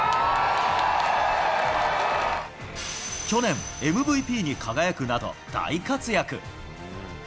去年、ＭＶＰに輝くなど、大活躍。